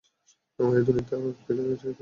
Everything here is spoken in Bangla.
এই দুনিয়াতে ওর ঠাই কীভাবে মিলবে?